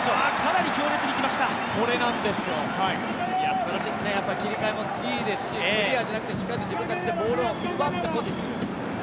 すばらしいですね、切り替えもいいですし、クリアじゃなくてしっかりと自分たちでボールを奪って保持する。